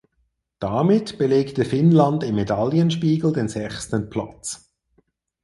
Damit belegte Finnland im Medaillenspiegel den sechsten Platz.